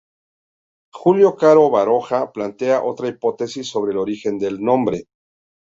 Julio Caro Baroja, plantea otra hipótesis sobre el origen del nombre.